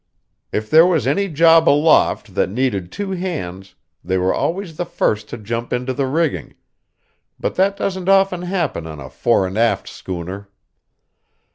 If there was any job aloft that needed two hands, they were always the first to jump into the rigging; but that doesn't often happen on a fore and aft schooner.